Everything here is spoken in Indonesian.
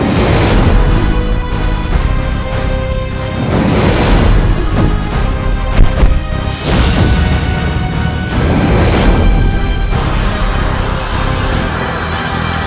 jangan lupa like seriously